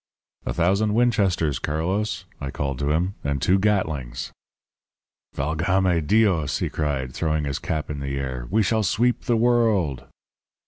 "'A thousand Winchesters, Carlos,' I called to him. 'And two Gatlings.' "'Valgame Dios!' he cried, throwing his cap in the air. 'We shall sweep the world!'